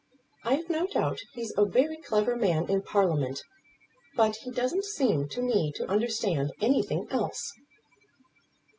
I've no doubt he's a very clever man in Parliament; but he doesn't seem to me to understand anything else."